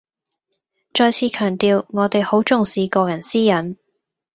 再次強調我哋好重視個人私隱